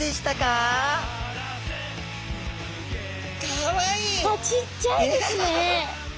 あっちっちゃいですね！